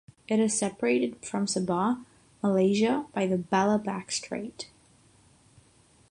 It is separated from Sabah, Malaysia, by the Balabac Strait.